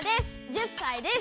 １０さいです。